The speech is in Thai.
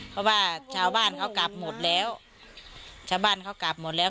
เพราะว่าชาวบ้านเขากลับหมดแล้วชาวบ้านเขากลับหมดแล้ว